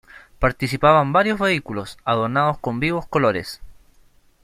Participaban varios vehículos adornados con vivos colores.